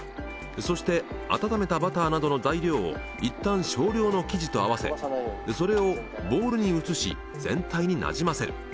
そして温めたバターなどの材料をいったん少量の生地と合わせそれをボウルに移し全体になじませる。